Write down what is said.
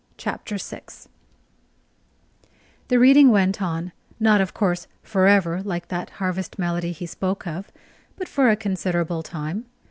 Chapter 6 The reading went on, not of course "for ever," like that harvest melody he spoke of, but for a considerable time.